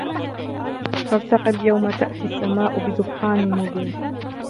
فارتقب يوم تأتي السماء بدخان مبين